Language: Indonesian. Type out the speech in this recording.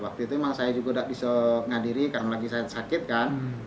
waktu itu memang saya juga tidak bisa ngadiri karena lagi saya sakit kan